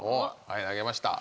投げました。